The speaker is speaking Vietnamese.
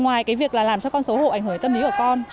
ngoài cái việc là làm cho con xấu hổ ảnh hưởng đến tâm lý của con